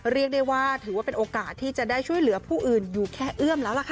เรียกได้ว่าถือว่าเป็นโอกาสที่จะได้ช่วยเหลือผู้อื่นอยู่แค่เอื้อมแล้วล่ะค่ะ